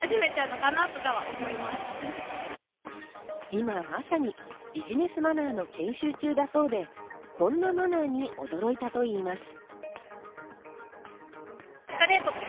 今、まさにビジネスマナーの研修中だそうで、こんなマナーに驚いたといいます。